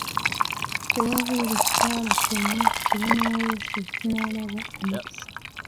Tewaabeere kitala kyonna kye banaaweesa ekinaalaba omukisa.